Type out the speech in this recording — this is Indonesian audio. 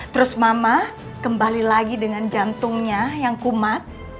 terus mama kembali lagi dengan jantungnya yang kumat